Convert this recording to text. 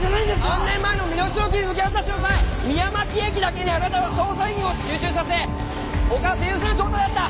３年前の身代金受け渡しの際三山木駅だけにあなたは捜査員を集中させ他は手薄の状態だった。